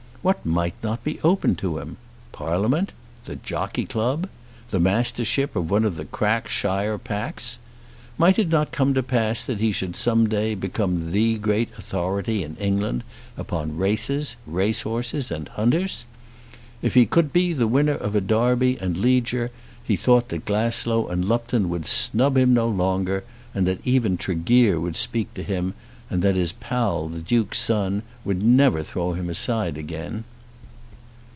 What might not be open to him? Parliament! The Jockey Club! The mastership of one of the crack shire packs! Might it not come to pass that he should some day become the great authority in England upon races, racehorses, and hunters? If he could be the winner of a Derby and Leger he thought that Glasslough and Lupton would snub him no longer, that even Tregear would speak to him, and that his pal the Duke's son would never throw him aside again.